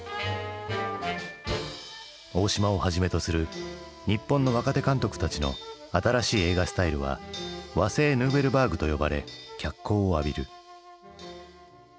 大島をはじめとする日本の若手監督たちの新しい映画スタイルは和製ヌーベルバーグと呼ばれ脚光を浴びる。